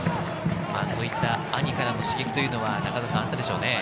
そういった兄からの刺激は、中澤さん、あったでしょうね。